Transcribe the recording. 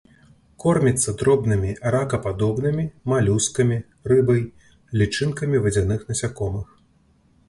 Корміцца дробнымі ракападобнымі, малюскамі, рыбай, лічынкамі вадзяных насякомых.